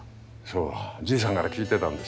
じいさんから聞いてたんですよ。